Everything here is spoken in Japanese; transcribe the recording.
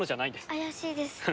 怪しいです。